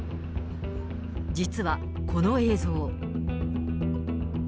実はこの映像。